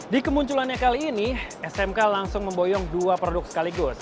di kemunculannya kali ini smk langsung memboyong dua produk sekaligus